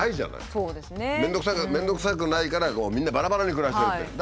面倒くさくないからみんなバラバラに暮らしてるっていう。